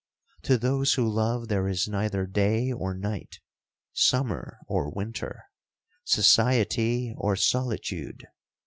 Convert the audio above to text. To those who love there is neither day or night, summer or winter, society or solitude.